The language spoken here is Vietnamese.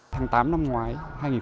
tháng tám năm ngoái